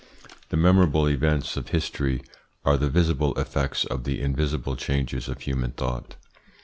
The memorable events of history are the visible effects of the invisible changes of human thought.